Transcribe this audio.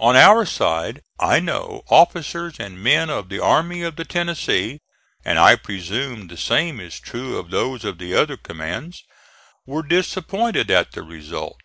On our side I know officers and men of the Army of the Tennessee and I presume the same is true of those of the other commands were disappointed at the result.